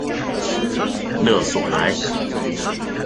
勒索莱。